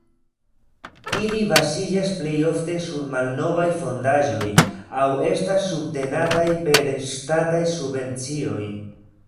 Ili baziĝas plejofte sur malnovaj fondaĵoj aŭ estas subtenataj per ŝtataj subvencioj.